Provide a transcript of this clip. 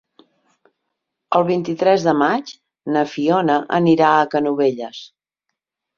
El vint-i-tres de maig na Fiona anirà a Canovelles.